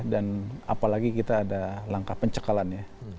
dan apalagi kita ada langkah pencekalan ya